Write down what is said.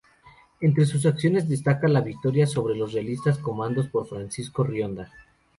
Entre sus acciones destaca la victoria sobre los realistas comandados por Francisco Rionda.